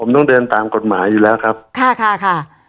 ผมต้องเดินตามกฎหมายอยู่แล้วครับค่ะค่ะ